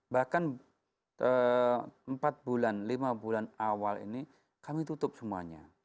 bahkan empat bulan lima bulan awal ini kami tutup semuanya